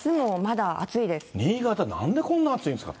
新潟、なんでこんなに暑いんですか。